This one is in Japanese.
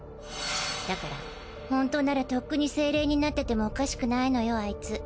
だから本当ならとっくに精霊になっててもおかしくないのよアイツ。